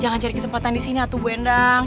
jangan cari kesempatan di sini atu bu enang